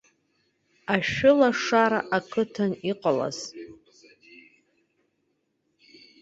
Ашәлашара ақыҭан иҟалаз.